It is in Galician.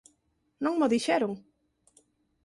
Non mo dixeron.